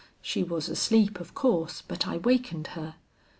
She Was asleep, of course, but I wakened her.